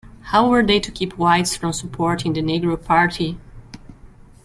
How were they to keep whites from supporting the "negro party"?